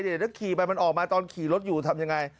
เวลามันออกมาตอนขี่รถอยู่ทำไย